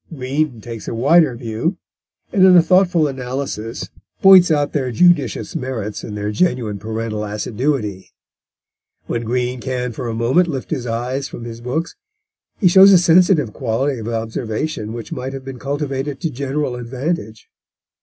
Green takes a wider view, and in a thoughtful analysis points out their judicious merits and their genuine parental assiduity. When Green can for a moment lift his eyes from his books, he shows a sensitive quality of observation which might have been cultivated to general advantage.